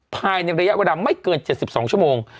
ภายในระยะเวลาไม่เกิน๗๒ชั่วโมง